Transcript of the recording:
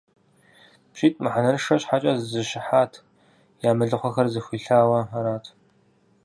ПщитӀ мыхьэнэншэ щхьэкӀэ зэщыхьат: я мэлыхъуэхэр зэхуилъауэ арат.